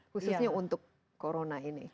khususnya untuk corona ini